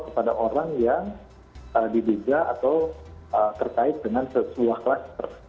kepada orang yang diduga atau terkait dengan sebuah kluster